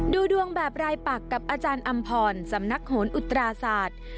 ดูดวงแบบรายปักกับอาจารย์อำพรสำนักโหนอุตราศาสตร์